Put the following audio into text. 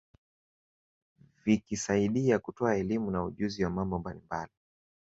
Vikisaidia kutoa elimu na ujuzi wa mambo mbalimbali